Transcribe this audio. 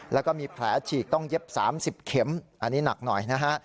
แล้วก็มีแผลฉีกต้องเย็บ๓๐เข็มอันนี้หนักหน่อยนะฮะ